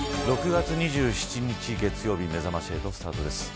６月２７日月曜日めざまし８スタートです。